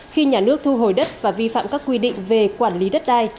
khi nhà nước thu hồi đất và vi phạm các quy định về quản lý đất đai